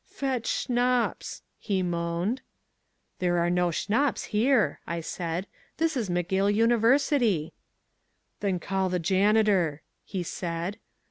"Fetch Schnapps," he moaned. "There are no Schnapps here," I said, "this is McGill University." "Then call the janitor," he said.